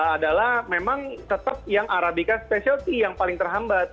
adalah memang tetap yang arabica specialty yang paling terhambat